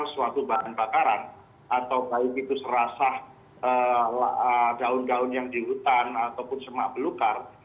suatu bahan bakaran atau baik itu serasa daun daun yang di hutan ataupun semak belukar